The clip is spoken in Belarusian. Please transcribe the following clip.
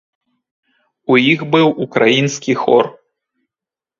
У іх быў украінскі хор.